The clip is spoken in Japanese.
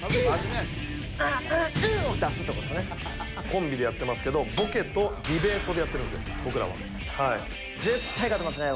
コンビでやってますけどボケとディベートでやってるんで僕らは。絶対勝てますね。